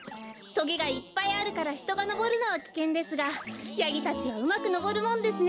とげがいっぱいあるからひとがのぼるのはきけんですがヤギたちはうまくのぼるもんですね。